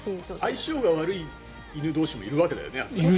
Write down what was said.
相性が悪い犬同士もいるわけだよね。